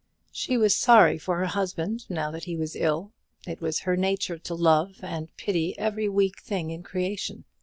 She was sorry for her husband now that he was ill. It was her nature to love and pity every weak thing in creation.